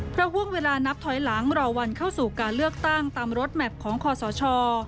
เพราะห่วงเวลานับถอยหลังรอวันเข้าสู่การเลือกตั้งตามรถแมพของคอสช